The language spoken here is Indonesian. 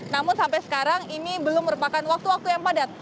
namun sampai sekarang ini belum merupakan waktu waktu yang padat